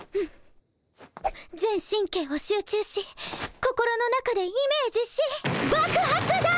全神経を集中し心の中でイメージし爆発だ！